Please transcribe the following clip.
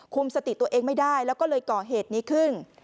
สติตัวเองไม่ได้แล้วก็เลยก่อเหตุนี้ขึ้น